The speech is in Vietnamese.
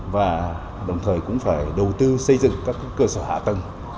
và đồng thời cũng phải đầu tư xây dựng các cơ sở hạ tầng